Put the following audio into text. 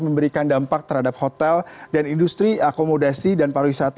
kemudian juga kalau kita bicara mengenai tiket penerbangan